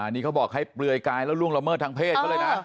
นี่เขาบอกให้เปลือยกายแล้วล่วงละเมิดทางเพศเขาเลยนะ